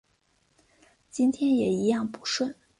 今天也一样不顺